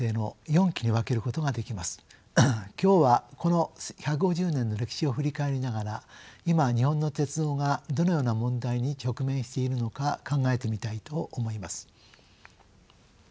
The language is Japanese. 今日はこの１５０年の歴史を振り返りながら今日本の鉄道がどのような問題に直面しているのか考えてみたいと思います。